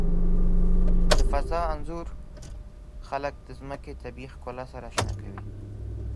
د فضا انځور خلک د ځمکې د طبیعي ښکلا سره آشنا کوي.